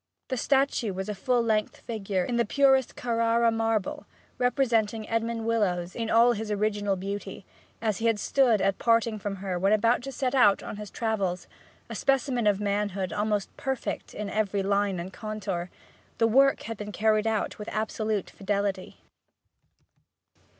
The statue was a full length figure, in the purest Carrara marble, representing Edmond Willowes in all his original beauty, as he had stood at parting from her when about to set out on his travels; a specimen of manhood almost perfect in every line and contour. The work had been carried out with absolute fidelity.